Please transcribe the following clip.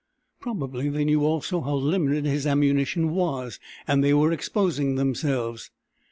Probably they knew also how limited his ammunition was. And they were exposing themselves.